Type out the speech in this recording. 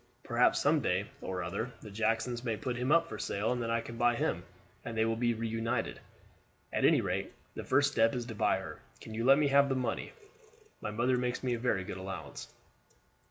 Perhaps some day or other the Jacksons may put him up for sale, and then I can buy him, and they will be reunited. At any rate, the first step is to buy her. Can you let me have the money? My mother makes me a very good allowance."